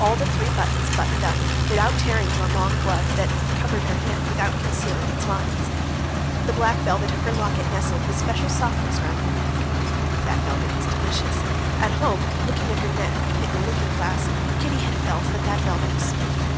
All the three buttons buttoned up without tearing on the long glove that covered her hand without concealing its lines. The black velvet of her locket nestled with special softness round her neck. That velvet was delicious; at home, looking at her neck in the looking glass, Kitty had felt that that velvet was speaking.